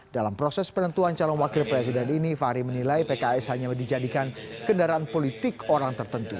dalam proses penentuan calon wakil presiden ini fahri menilai pks hanya dijadikan kendaraan politik orang tertentu